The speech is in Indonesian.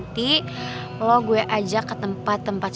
di akhir lagi sih ke sar immigration salin emas